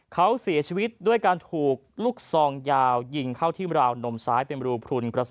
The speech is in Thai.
เขาเสียชีวิตด้วยการถูกลูกซองยาวยิงเข้าที่ราวนมซ้ายเป็นรูพลุนกระสุน